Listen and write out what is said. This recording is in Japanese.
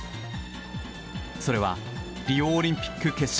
それはリオオリンピック決勝。